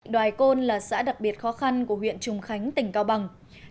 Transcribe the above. đoài côn là xã đặc biệt khó khăn của huyện trùng khánh tỉnh cao bằng